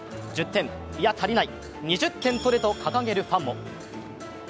１０点、いや足りない、２０点取れと掲げるファンも。